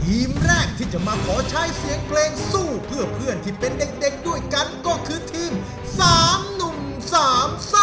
ทีมแรกที่จะมาขอใช้เสียงเพลงสู้เพื่อเพื่อนที่เป็นเด็กด้วยกันก็คือทีม๓หนุ่ม๓ซ่า